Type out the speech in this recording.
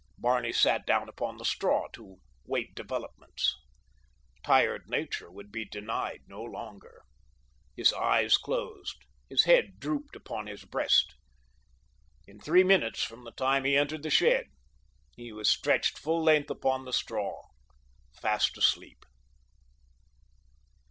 Barney sat down upon the straw to wait developments. Tired nature would be denied no longer. His eyes closed, his head drooped upon his breast. In three minutes from the time he entered the shed he was stretched full length upon the straw, fast asleep.